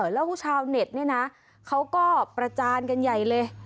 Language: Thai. แล้วชาวเน็ตเนี่ยนะเขาก็ประจานกันใหญ่เลย